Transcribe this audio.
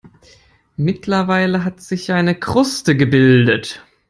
Mittlerweile hat sich eine Kruste gebildet.